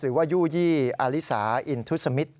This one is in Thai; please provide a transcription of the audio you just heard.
หรือว่ายู่ยี่อาลิสาอินทุศมิตร